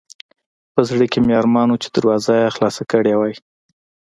په زړه کې مې ارمان و چې دروازه یې خلاصه وای.